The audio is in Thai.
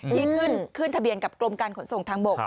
ที่ขึ้นทะเบียนกับกรมการขนส่งทางบก